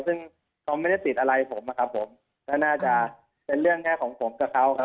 ซึ่งเขาไม่ได้ติดอะไรผมน่าจะเป็นเรื่องแน่ของผมกับเขา